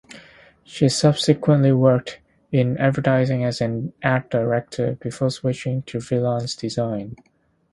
She subsequently worked in advertising as an Art Director before switching to freelance design.